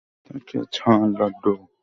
তাকে ছাড়, লাড্ডু!